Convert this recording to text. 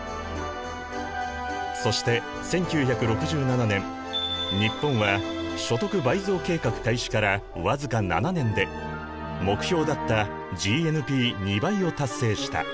そして１９６７年日本は所得倍増計画開始から僅か７年で目標だったＧＮＰ２倍を達成した。